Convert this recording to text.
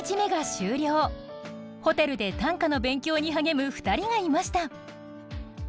ホテルで短歌の勉強に励む２人がいました。